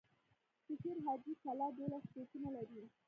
د شير حاجي کلا دولس توپونه لري.